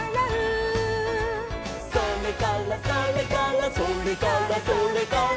「それからそれからそれからそれから」